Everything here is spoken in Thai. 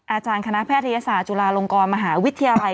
อาจารย์คณะแพทยศาสตร์จุฬาลงกรมหาวิทยาลัย